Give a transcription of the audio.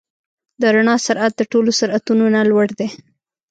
د رڼا سرعت د ټولو سرعتونو نه لوړ دی.